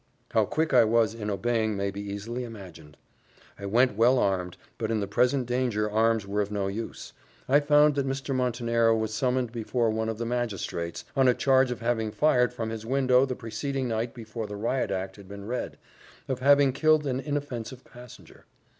How quick I was in obeying may be easily imagined. I went well armed, but in the present danger arms were of no use. I found that Mr. Montenero was summoned before one of the magistrates, on a charge of having fired from his window the preceding night before the Riot Act had been read of having killed an inoffensive passenger.